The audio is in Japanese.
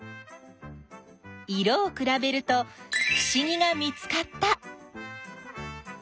色をくらべるとふしぎが見つかった！